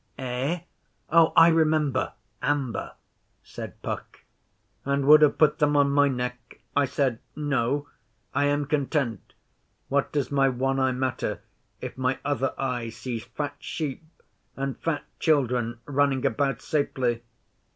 Eh? Oh, I remember! Amber,' said Puck. 'And would have put them on my neck. I said, "No, I am content. What does my one eye matter if my other eye sees fat sheep and fat children running about safely?"